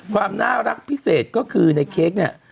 ความน่ารักพิเศษก็คือในเค้กเนี่ย